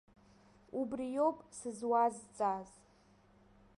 Убриоуп сызуазҵааз.